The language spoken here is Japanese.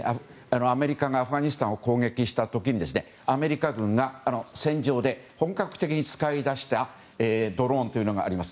アメリカがアフガニスタンを攻撃した時にアメリカ軍が戦場で本格的に使いだしたドローンというのがあります。